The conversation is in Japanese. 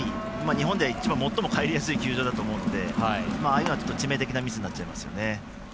日本では最もかえりやすい球場だと思いますのでああいうのは、致命的なミスになっちゃいますよね。